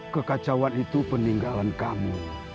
kekacauan itu peninggalan kamu